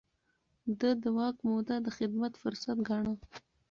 ده د واک موده د خدمت فرصت ګاڼه.